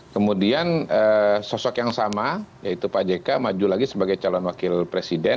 kemudian sosok yang sama yaitu pak jk maju lagi sebagai calon wakil presiden